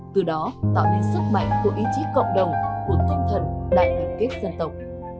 từ đó tạo nên sức mạnh của ý chí cộng đồng của tôn thần đại đồng kết dân tộc